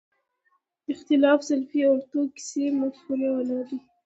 اختلاف سلفي اورتودوکسي مفکورې والا دي.